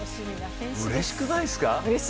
うれしくないですか。